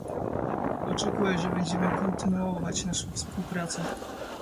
Oczekuję, że będziemy kontynuować naszą współpracę